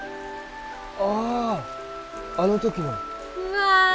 あああの時のうわ